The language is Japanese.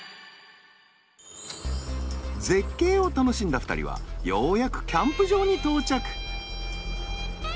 絶景を楽しんだ２人はようやくキャンプ場に到着。